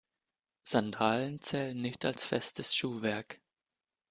Sandalen zählen nicht als festes Schuhwerk.